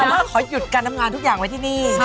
แต่ว่าขอหยุดการทำงานทุกอย่างไว้ที่นี่